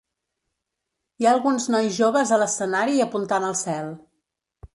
Hi ha alguns nois joves a l'escenari apuntant al cel.